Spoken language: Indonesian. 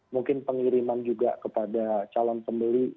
mungkin pengiriman juga kepada calon pembeli